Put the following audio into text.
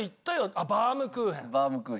あっバウムクーヘン！